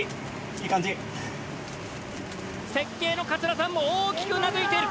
設計の桂さんも大きくうなづいている。